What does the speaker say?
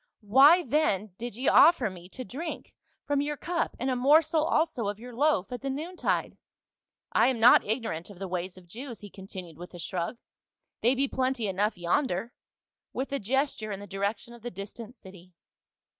" Why then did ye offer me to drink from * Daniel xi., 36 45. 232 FA UL. your cup, and a morsel also of your loaf at the noon tide ? I am not ignorant of the ways of Jews," he continued with a shrug, "they be plenty enough yonder," with a gesture in the direction of the distant city.